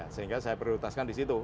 sehingga saya prioritaskan di situ